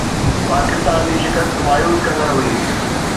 پاڪستان جي شڪست مايوس ڪندڙ هئي